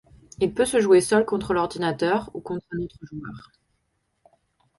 Il peut se jouer seul contre l’ordinateur ou contre un autre joueur.